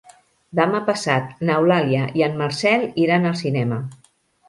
Demà passat n'Eulàlia i en Marcel iran al cinema.